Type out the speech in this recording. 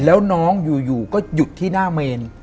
แล้วน้องอยู่ก็หยุดที่หน้าเมน